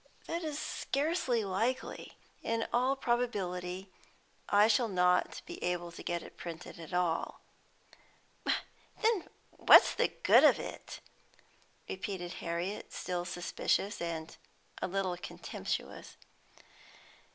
"That is scarcely likely. In all probability I shall not be able to get it printed at all." "Then what's the good of it?" repeated Harriet, still suspicious, and a little contemptuous.